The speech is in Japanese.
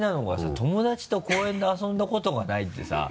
「友達と公園で遊んだことがない」ってさ。